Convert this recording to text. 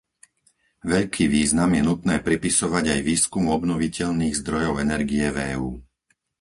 Veľký význam je nutné pripisovať aj výskumu obnoviteľných zdrojov energie v EÚ.